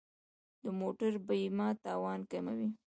د موټر بیمه تاوان کموي.